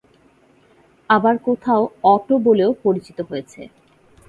আবার কোথাও "অটো" বলেও পরিচিত হয়েছে।